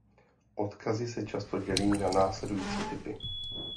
Odkazy se často dělí na následující typy.